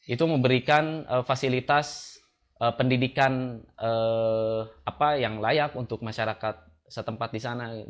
itu memberikan fasilitas pendidikan yang layak untuk masyarakat setempat di sana